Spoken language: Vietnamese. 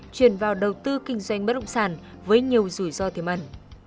truyền vào đầu tư kinh doanh bất động sản với nhiều rủi ro thêm ẩn